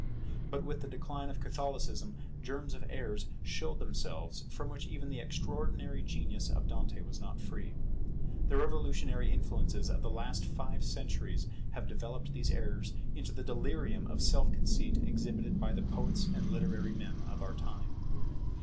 But with the decline of Catholicism, germs of errors showed themselves, from which even the extraordinary genius of Dante was not free. The revolutionary influences of the last five centuries have developed these errors into the delirium of self conceit exhibited by the poets and literary men of our time.